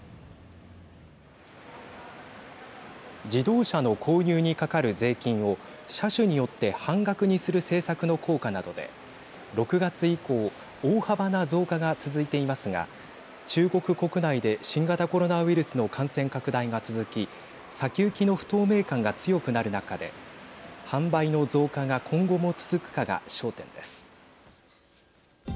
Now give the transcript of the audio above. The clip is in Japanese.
自動車の購入にかかる税金を車種によって半額にする政策の効果などで６月以降大幅な増加が続いていますが中国国内で新型コロナウイルスの感染拡大が続き先行きの不透明感が強くなる中で販売の増加が今後も続くかが焦点です。